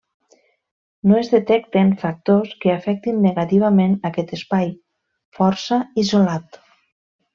No es detecten factors que afectin negativament aquest espai, força isolat.